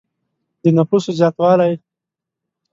د نفوسو زیاتوالی.